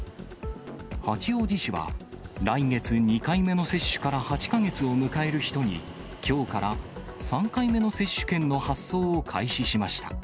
八王子市は、来月、２回目の接種から８か月を迎える人に、きょうから３回目の接種券の発送を開始しました。